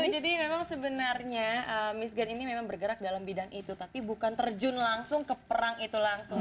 jadi memang sebenarnya miss gun ini memang bergerak dalam bidang itu tapi bukan terjun langsung ke perang itu langsung